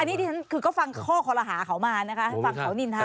อันนี้ที่ฉันคือก็ฟังข้อคอรหาเขามานะคะฟังเขานินทา